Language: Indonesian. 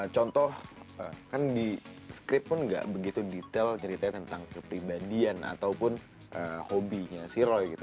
contoh kan di script pun nggak begitu detail ceritanya tentang kepribadian ataupun hobinya si roy gitu